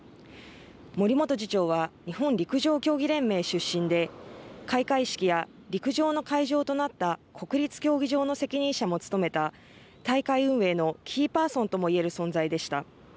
森元次長は日本陸上競技連盟出身で開会式や陸上の会場となった国立競技場の責任者も務めた大会運営のキーパーソンとも言える存在でした。